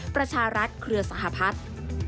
ประชารัฐเครือสหพัฒน์